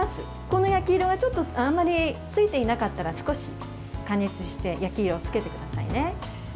この焼き色があまりついていなかったら少し加熱して焼き色をつけてくださいね。